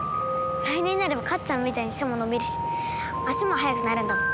来年になればかっちゃんみたいに背も伸びるし足も速くなるんだもん。